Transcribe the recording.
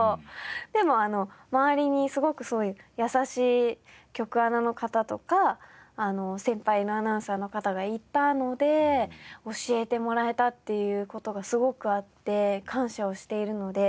でも周りにすごくそういう優しい局アナの方とか先輩のアナウンサーの方がいたので教えてもらえたっていう事がすごくあって感謝をしているので。